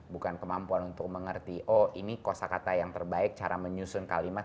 bukan kemampuan untuk mengerti oh ini kosa kata yang terbaik cara menyusun kalimat